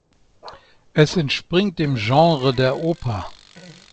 Es entspringt dem Genre der Oper.